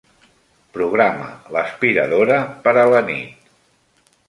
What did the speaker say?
Programa l'aspiradora per a la nit.